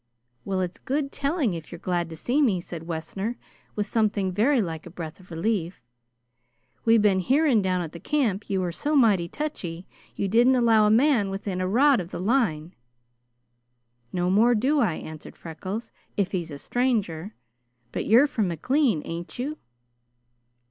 "Well, it's good telling if you're glad to see me," said Wessner, with something very like a breath of relief. "We been hearing down at the camp you were so mighty touchy you didn't allow a man within a rod of the line." "No more do I," answered Freckles, "if he's a stranger, but you're from McLean, ain't you?"